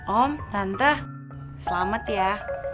om tante selamat ya